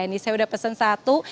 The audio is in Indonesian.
ini saya udah pesen satu